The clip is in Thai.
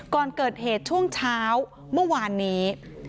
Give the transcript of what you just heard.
ก่อนเกิดเหตุช่วงเช้าเมื่อวานนี้